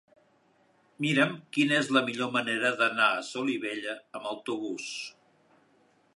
Mira'm quina és la millor manera d'anar a Solivella amb autobús.